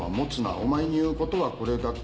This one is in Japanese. お前に言うことはこれだけ。